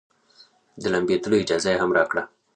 د لامبېدلو اجازه يې هم راکړه.